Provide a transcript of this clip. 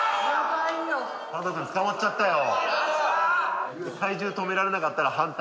佐藤君捕まっちゃったよ。